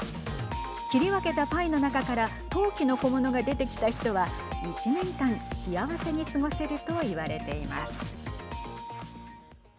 切り分けたパイの中から陶器の小物が出てきた人は１年間、幸せに過ごせると言われています。